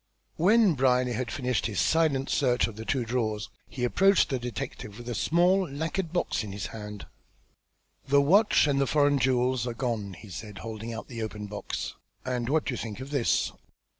When Brierly had finished his silent search of the two drawers, he approached the detective with a small lacquered box in his hand. "The watch and the foreign jewels are gone," he said, holding out the open box. "And what do you think of this?